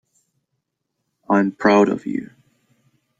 I'm proud of you.